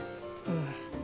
うん。